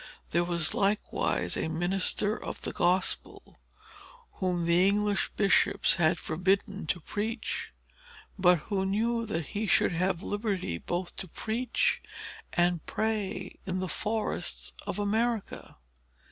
There was likewise a minister of the Gospel, whom the English bishops had forbidden to preach, but who knew that he should have liberty both to preach and pray in the forests of America.